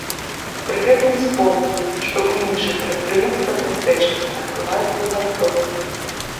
Пры гэтым успомніў, што ў іншых прадпрыемствах мястэчка адбываецца забастоўка.